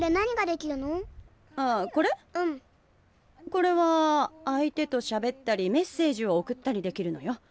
これはあい手としゃべったりメッセージをおくったりできるのよ。